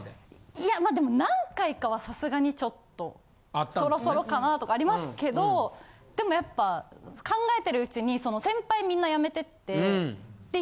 いやまあでも何回かはさすがにちょっとそろそろかなとかありますけどでもやっぱ考えてるうちに先輩みんな辞めてって。